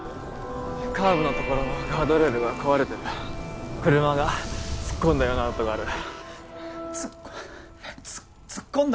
カーブのところのガードレールが壊れてる車が突っ込んだような跡がある突っ込ん突っ込んだ？